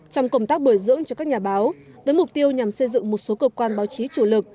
trong công tác bồi dưỡng cho các nhà báo với mục tiêu nhằm xây dựng một số cơ quan báo chí chủ lực